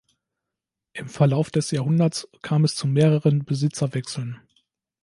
Im Verlauf des Jahrhunderts kam es zu mehreren Besitzerwechseln.